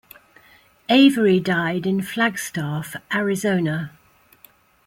Avery died in Flagstaff, Arizona.